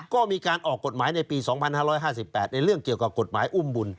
ก็มีการออกกฎหมายในปี๒๕๕๘ในเรื่องเกี่ยวกับกฎหมายอุ้มบุญ